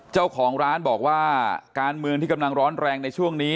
เจ้าของร้านบอกว่าการเมืองที่กำลังร้อนแรงในช่วงนี้